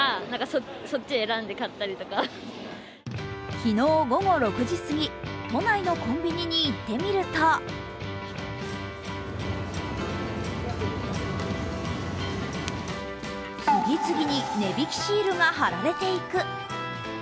昨日午後６時過ぎ、都内のコンビニに行ってみると次々に値引きシールが貼られていく。